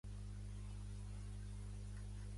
La unió deífica entre l'espòs i l'esposa.